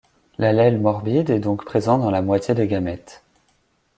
L'allèle morbide est donc présent dans la moitié des gamètes.